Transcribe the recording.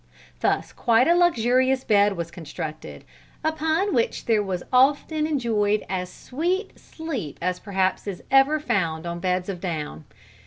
Thus quite a luxurious bed was constructed, upon which there was often enjoyed as sweet sleep as perhaps is ever found on beds of down.